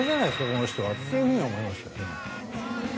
この人はっていうふうには思いましたよね。